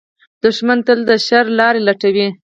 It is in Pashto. دښمن تل د شر لارې لټوي